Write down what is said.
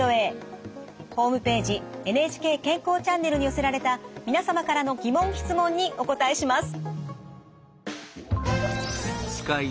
ホームページ「ＮＨＫ健康チャンネル」に寄せられた皆様からの疑問・質問にお答えします。